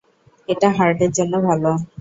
এটা হার্টের জন্য ভালো।